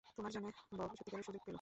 তোমার জন্যে, বব সত্যিকারের সুযোগ পেল।